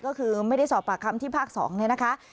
ก็คือไม่ได้สอบปากคำที่ภาค๒เนี่ยนะคะ